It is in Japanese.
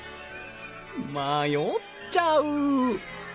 迷っちゃう！